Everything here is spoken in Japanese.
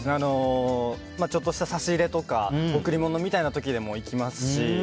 ちょっとした差し入れとか贈り物みたいな時でも行きますし。